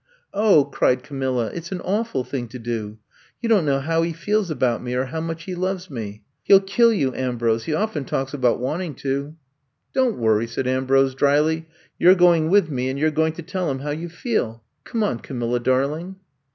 0h," cried Camilla, *4t 's an awful thing to do. You don 't know how he feels about me, or how much he loves me. He 'U 184 I'VE COME TO STAY kill you, Ambrose — ^he often talks about wanting to!'' Don't worry," said Ambrose dryly. You 're going with me and you 're going to tell him how you feel. Come on, Ca milla, darling!"